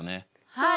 はい！